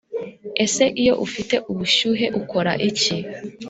Ese iyo ufite ubushyuhe ukora iki?